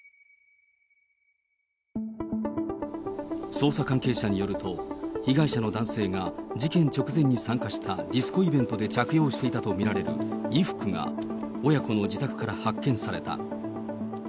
捜査関係者によると、被害者の男性が事件直前に参加したディスコイベントで着用していたと見られる衣服が親子の自宅から発見された。